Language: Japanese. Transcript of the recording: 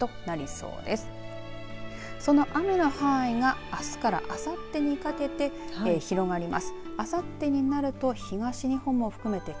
その雨の範囲があすからあさってにかけて広がります。